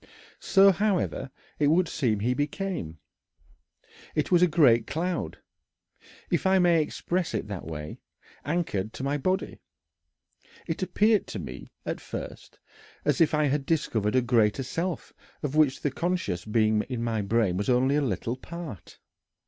So, however, it would seem he became. "I was a great cloud if I may express it that way anchored to my body. It appeared to me, at first, as if I had discovered a greater self of which the conscious being in my brain was only a little part.